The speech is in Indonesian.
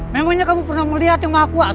memangnya kamu pernah melihat yang maha kuasa